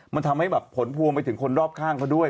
มันทำให้แบบผลพวงไปถึงคนรอบข้างเขาด้วย